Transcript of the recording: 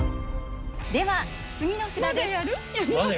では次の札です。